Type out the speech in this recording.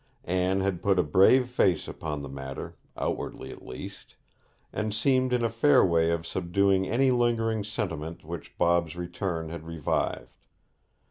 Anne had put a brave face upon the matter outwardly, at least and seemed in a fair way of subduing any lingering sentiment which Bob's return had revived.